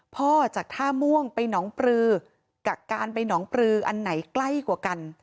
พ่อจากท่าม่วงไปหนองปลือกับการไปหนองปลืออันไหนใกล้กว่ากัน